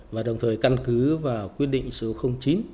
và đồng thời căn cứ vào quyết định số chín